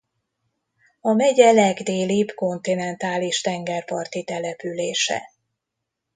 A megye legdélibb kontinentális tengerparti települése.